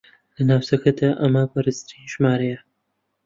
لە ناوچەکەدا ئەمە بەرزترین ژمارەیە